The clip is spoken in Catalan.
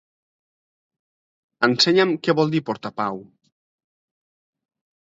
Ensenya'm què vol dir portapau.